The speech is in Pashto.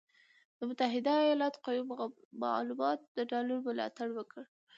د متحده ایالاتو قوي معلوماتو د ډالر ملاتړ وکړ،